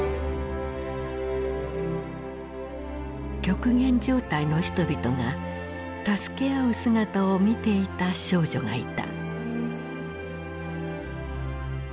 極限状態の人々が助け合う姿を見ていた少女がいた。